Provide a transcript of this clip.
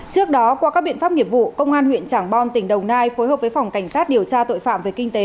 trước đó qua các biện pháp nghiệp vụ công an huyện trảng bom tỉnh đồng nai phối hợp với phòng cảnh sát điều tra tội phạm về kinh tế